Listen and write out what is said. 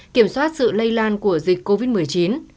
kiểm soát sự lây lan của dịch covid một mươi chín